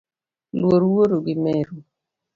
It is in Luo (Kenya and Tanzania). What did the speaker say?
Luor wuoru gi meru